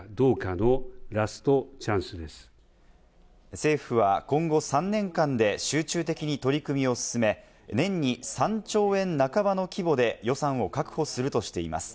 政府は今後３年間で集中的に取り組みを進め、年に３兆円半ばの規模で予算を確保するとしています。